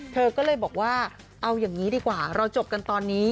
เธอก็เลยบอกว่าเอาอย่างนี้ดีกว่าเราจบกันตอนนี้